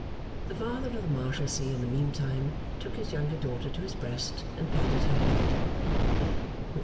The Father of the Marshalsea in the meantime took his younger daughter to his breast, and patted her head.